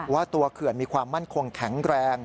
ว่าตัวเขื่อนมีความมั่นคงแข็งแรง